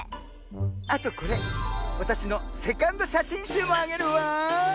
あとこれわたしのセカンドしゃしんしゅうもあげるわ。